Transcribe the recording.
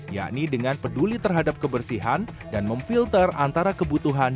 yakni dengan peduli terhadap kebersihan dan memfilmsi kebersihan yang terlalu banyak di dalamnya